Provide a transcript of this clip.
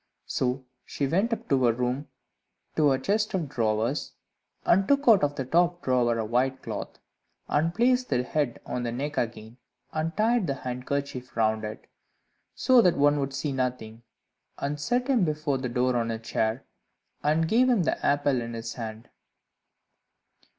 So she went up to her room to her chest of drawers, and took out of the top drawer a white cloth, and placed the head on the neck again, and tied the handkerchief round it, so that one could see nothing, and set him before the door on a chair, and gave him the apple in his hand.